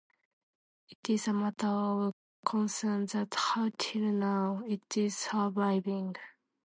It is a matter of concern that how till now, it is surviving?